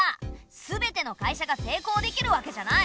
全ての会社が成功できるわけじゃない。